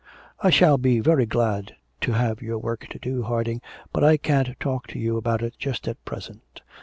'I shall be very glad to have your work to do, Harding, but I can't talk to you about it just at present.